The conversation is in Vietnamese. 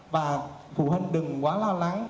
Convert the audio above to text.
và phụ huynh đừng quá lo lắng